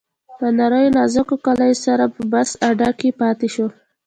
له نریو نازکو کالیو سره په بس اډه کې پاتې شو.